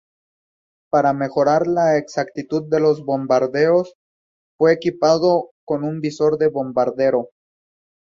Para mejorar la exactitud de los bombardeos, fue equipado con un visor de bombardero.